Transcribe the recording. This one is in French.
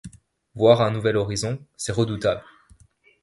Voir un nouvel horizon, c’est redoutable.